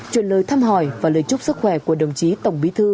chuyển lời thăm hỏi và lời chúc sức khỏe của đồng chí tổng bí thư